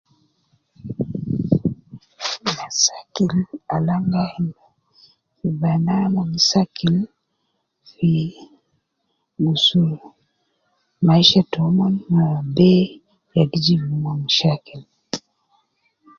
Masakil al an gi ayin fi bana mon gi sakil, fi, musu ,maisha tomon ma be ya gi jib nomon mashakil